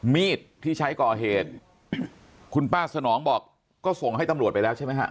มีดที่ใช้ก่อเหตุคุณป้าสนองบอกก็ส่งให้ตำรวจไปแล้วใช่ไหมฮะ